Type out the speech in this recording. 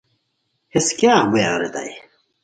ہیس کیاغ بویان ریتائے